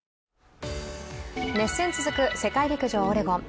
熱戦続く世界陸上オレゴン。